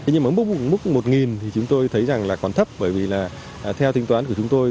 nhưng mà mức một thì chúng tôi thấy rằng là còn thấp bởi vì là theo tính toán của chúng tôi